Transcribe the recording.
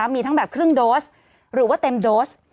มีทั้งแบบครึ่งโดสหรือว่าเต็มโดส